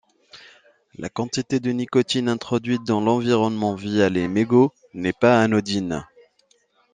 La quantité de nicotine introduite dans l'environnement via les mégots n'est pas anodine.